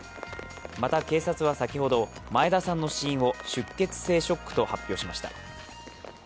また警察は先ほど前田さんの死因を出血性ショックと発表しました。